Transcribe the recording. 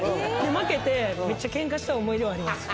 負けて、めっちゃ喧嘩した思い出はあります。